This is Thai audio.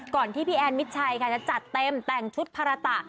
ที่พี่แอนมิดชัยค่ะจะจัดเต็มแต่งชุดภาระตะ